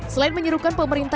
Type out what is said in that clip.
selain menyuruhkan pemerintah